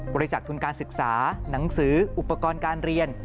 บริจาคทุนการศึกษาหนังสืออุปกรณ์การเรียน